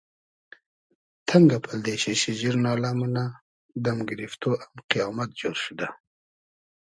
تئنگۂ پئلدې شی شیجیر نالۂ مونۂ دئم گیریفتۉ ام قپامئد جۉر شودۂ